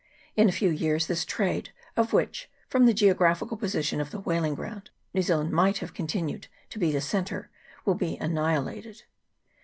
In a few years this trade, of which, from the geographical position of the " whaling ground," New Zealand might have continued to be the centre, will be annihilated.